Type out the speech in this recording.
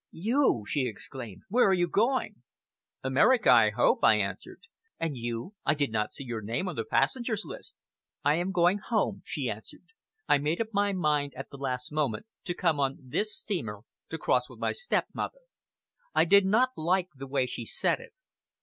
"You!" she exclaimed. "Where are you going?" "America, I hope," I answered. "And you? I did not see your name on the passengers' list." "I am going home," she answered. "I made up my mind, at the last moment, to come on this steamer, to cross with my stepmother." I did not like the way she said it.